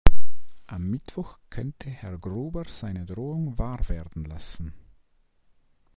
Am Mittwoch könnte Herr Gruber seine Drohung wahr werden lassen.